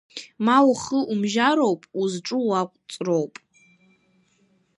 Ма ухы умжьароуп, узҿу уаҟәҵроуп.